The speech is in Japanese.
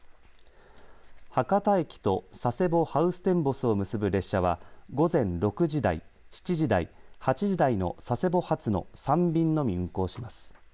博多駅と佐世保・ハウステンボスを結ぶ列車は午前６時台、７時台８時台の佐世保発の３便のみ運行します。